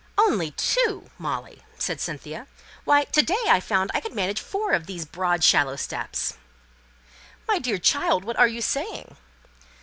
"Only two, Molly!" said Cynthia. "Why, to day I found I could manage four of these broad shallow steps." "My dear child, what are you saying?"